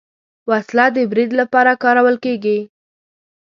وسله د برید لپاره کارول کېږي